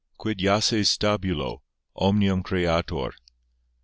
QUID JACES STABULO, OMNIUM CREATOR?